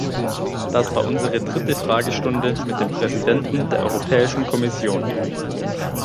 Das war unsere dritte Fragestunde mit dem Präsidenten der Europäischen Kommission.